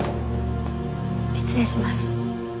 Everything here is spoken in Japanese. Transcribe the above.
失礼します。